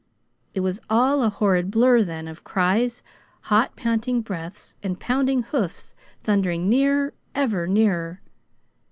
It was all a horrid blur then of cries, hot, panting breaths, and pounding hoofs thundering nearer, ever nearer.